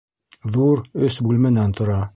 Ҙур, өс бүлмәнән тора